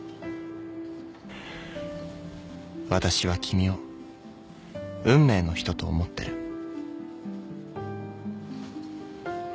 「私は君を運命の人と思ってる」